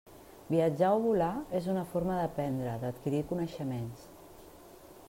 Viatjar o volar és una forma d'aprendre, d'adquirir coneixements.